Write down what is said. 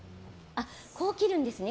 こう切るんですね。